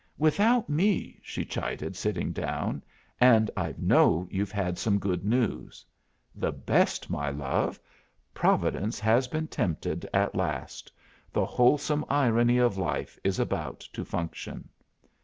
"Without me," she chided, sitting down. "And I know you've had some good news." "The best, my love. Providence has been tempted at last. The wholesome irony of life is about to function."